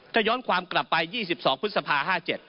ถ้าย้อนความกลับไป๒๒พฤษภา๕๗